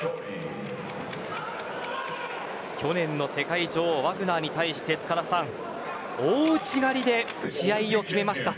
去年の世界女王ワグナーに対して大内刈で試合を決めました。